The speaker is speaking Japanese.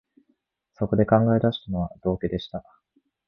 そこで考え出したのは、道化でした